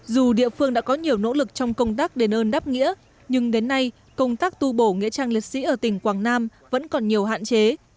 dù địa phương đã có nhiều nỗ lực trong công tác đền ơn đáp nghĩa nhưng đến nay công tác tu bổ nghĩa trang liệt sĩ ở tỉnh quảng nam vẫn còn nhiều hạn chế